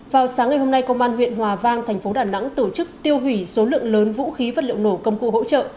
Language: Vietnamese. vào sáng ngày hôm nay công an huyện hòa vang thành phố đà nẵng tổ chức tiêu hủy số lượng lớn vũ khí vật liệu nổ công cụ hỗ trợ